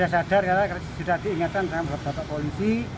saya sadar karena sudah diingatkan sama bapak polisi